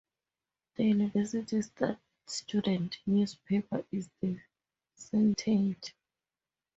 The university's student newspaper is "The Sentient".